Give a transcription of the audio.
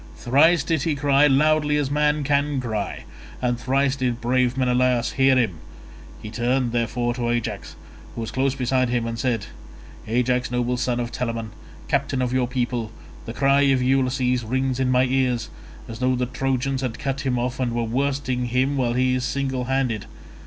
Thrice did he cry as loudly as man can cry, and thrice did brave Menelaus hear him; he turned, therefore, to Ajax who was close beside him and said, "Ajax, noble son of Telamon, captain of your people, the cry of Ulysses rings in my ears, as though the Trojans had cut him off and were worsting him while he is single handed.